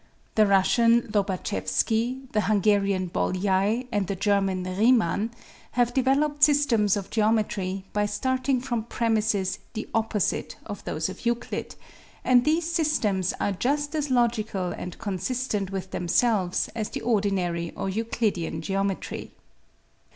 The Russian Lobatchewsky, the Hungarian Bolyai and the German Riemann have developed systems of geom etry by starting from premises the opposite of those of Euclid and these systems are just as logical and con NON EUCLIDEAN GEOMETRY 67 sistent with themselves as the ordinary or Euclidean geometry.